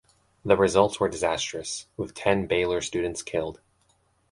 The results were disastrous, with ten Baylor students killed.